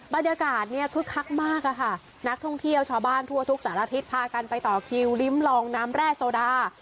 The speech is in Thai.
บรรยากาศเนี่ยคึกคักมากอะค่ะนักท่องเที่ยวชาวบ้านทั่วทุกสารทิศพากันไปต่อคิวริมลองน้ำแร่โซดา